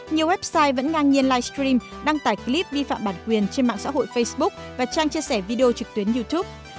nhiều website vẫn ngang nhiên livestream đăng tải clip vi phạm bản quyền trên mạng xã hội facebook và trang chia sẻ video trực tuyến youtube